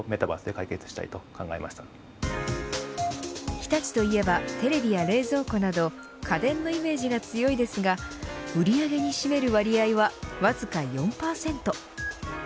日立といえばテレビや冷蔵庫など家電のイメージが強いですが売り上げに占める割合はわずか４％。